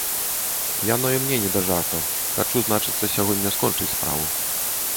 Яно і мне не да жартаў, хачу, значыцца, сягоння скончыць справу.